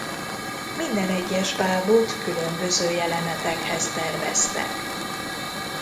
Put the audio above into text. Minden egyes bábot különböző jelenetekhez terveztek.